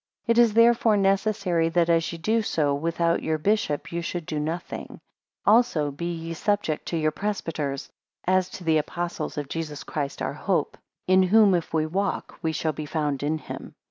6 It is therefore necessary, that as ye do, so without your bishop you should do nothing: also be ye subject to your presbyters, as to the Apostles of Jesus Christ our hope; in whom if we walk, we shall be found in him.